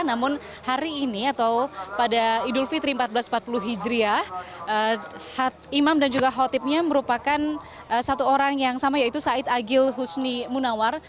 namun hari ini atau pada idul fitri seribu empat ratus empat puluh hijriah imam dan juga khotibnya merupakan satu orang yang sama yaitu said agil husni munawar